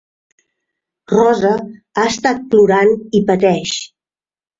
Rosa ha estat plorant i pateix.